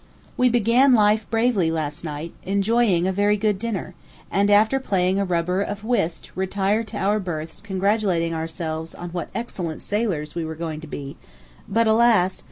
We began life bravely last night, enjoying a very good dinner, and after playing a rubber of whist retired to our berths congratulating ourselves on what excellent sailors we were going to be; but alas!...